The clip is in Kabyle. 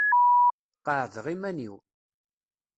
Qeɛdeɣ iman-iw.